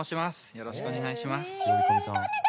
よろしくお願いします！